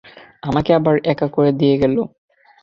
আমাকে আবার একা করে দিয়ে গেলো।